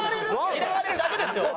嫌われるだけでしょ！